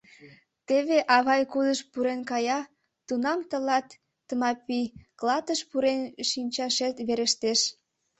— Теве авай кудыш пурен кая, тунам тылат, Тмапий, клатыш пурен шинчашет верештеш.